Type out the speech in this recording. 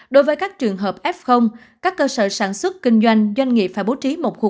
đối với các trường hợp f các cơ sở sản xuất kinh doanh doanh nghiệp phải bố trí một khu